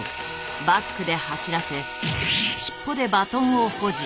バックで走らせ尻尾でバトンを保持。